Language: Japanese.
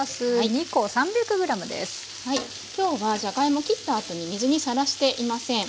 今日はじゃがいも切ったあとに水にさらしていません。